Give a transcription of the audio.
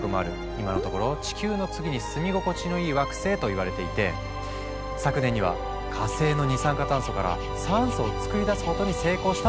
今のところ「地球の次に住み心地のいい惑星」といわれていて昨年には火星の二酸化炭素から酸素を作り出すことに成功したってニュースも。